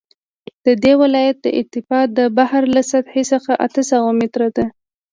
د دې ولایت ارتفاع د بحر له سطحې څخه اته سوه متره ده